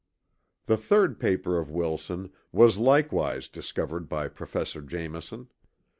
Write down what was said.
The third paper of Wilson was likewise discovered by Professor Jameson.